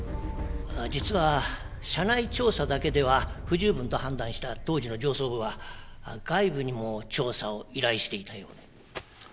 実は社内調査だけでは不十分と判断した当時の上層部は外部にも調査を依頼していたようで。